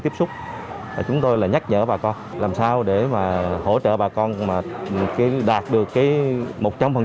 tiếp xúc chúng tôi là nhắc nhở bà con làm sao để mà hỗ trợ bà con mà đạt được cái một trăm linh